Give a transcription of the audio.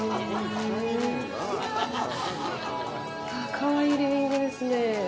かわいいリビングですね。